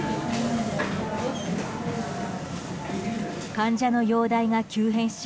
患者の容体が急変し